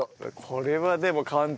これはでも簡単。